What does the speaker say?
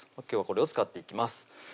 今日はこれを使っていきます